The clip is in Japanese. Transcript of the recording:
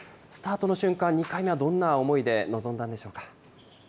スタートの瞬間、２回目はどんな思いで臨んだんでしょうか。